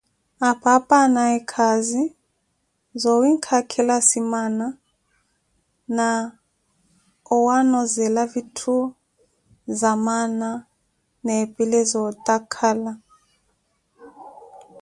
Apaapa anaaye khaazi zoowinkha akhili asimaana na owanozela vitthu za maana na epile zootakhala.